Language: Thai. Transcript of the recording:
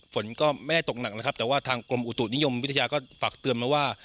ฝนก็ไม่ได้ตกหนักนะครับแต่ว่าทางกรมอุตุนิยมวิทยาก็ฝากเตือนมาว่า